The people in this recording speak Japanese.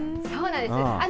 そうなんです。